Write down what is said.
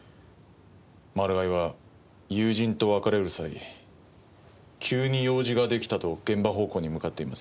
マルガイは友人と別れる際急に用事が出来たと現場方向に向かっています。